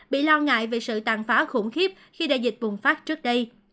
bị lo ngại về sự tàn phá khủng khiếp khi đại dịch bùng phát trước đây